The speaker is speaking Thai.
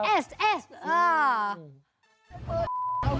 เอสเอสเออ